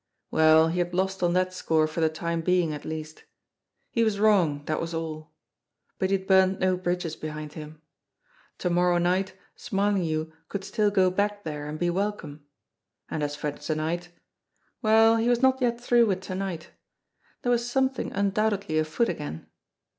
Well, he had lost on that score for the time being, at least. He was wrong, that was all. But he had burned no bridges behind him. To morrow night Smarlinghue could still go back there, and be welcome. And as for to night well, he was not yet through with to night! There was something undoubtedly afoot again.